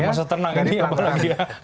jadi masa tenang ini apa lagi ya